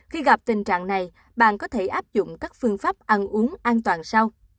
khi gặp tình trạng này bạn có thể áp dụng các phương pháp ăn uống an toàn sau